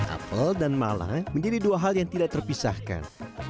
apel dan mala menjadi dua hal yang tidak terpisahkan